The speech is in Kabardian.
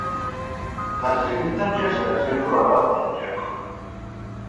Бадзэгынхэмкӏэ зэӏэзэжу арауэ пӏэрэ кӏэпхъыр?